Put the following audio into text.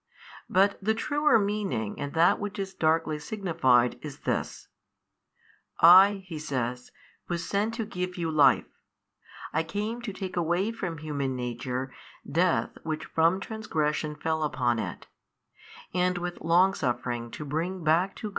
But the truer meaning and that which is darkly signified, is this: I (He says) was sent to give you life, I came to take away from human nature death which from transgression fell upon it, and with long suffering to bring back to